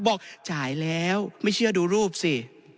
บอกจ่ายแล้วไม่เชื่อดูรูปสิ